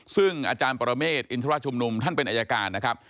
ซึ่งอาจารย์ปรเมฆอินทรชุมนุมท่านเป็นอายการนะครับ